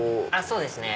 そうですね。